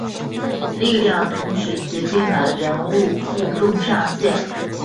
力量同时决定了人物负重上限。